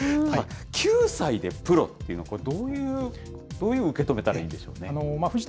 ９歳でプロっていうのは、これ、どう受け止めたらいいんでしょう藤田